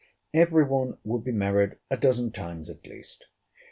Every one would be married a dozen times at least.